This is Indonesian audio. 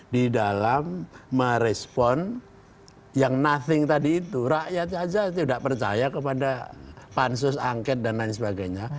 di dalam merespon yang nothing tadi itu rakyat saja tidak percaya kepada pansus angket dan lain sebagainya